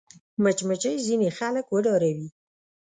مچمچۍ ځینې خلک وډاروي